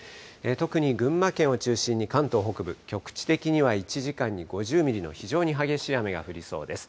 特に群馬県を中心に関東北部、局地的には１時間に５０ミリの非常に激しい雨が降りそうです。